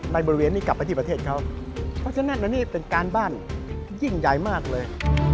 บริเวณนี้กลับไปที่ประเทศเขาเพราะฉะนั้นอันนี้เป็นการบ้านยิ่งใหญ่มากเลย